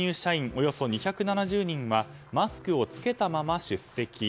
およそ２７０人はマスクを着けたまま出席。